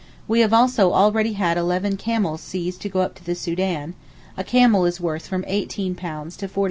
We have also already had eleven camels seized to go up to the Soudan; a camel is worth from £18 to £40.